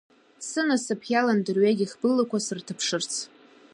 Сынасыԥ иалан дырҩегьых былақәа сырҭаԥшырц.